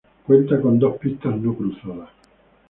Cuenta con dos pistas no cruzadas.